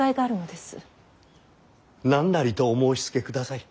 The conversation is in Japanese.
何なりとお申しつけください。